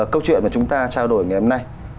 câu chuyện mà chúng ta trao đổi ngày hôm nay